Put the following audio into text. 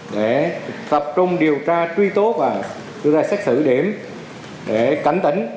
để tập trung điều tra truy tố và đưa ra xét xử điểm để cảnh tỉnh